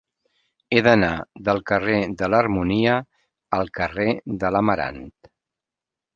He d'anar del carrer de l'Harmonia al carrer de l'Amarant.